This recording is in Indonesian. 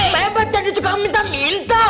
bebat jadi tukang minta minta